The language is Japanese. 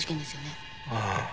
ああ。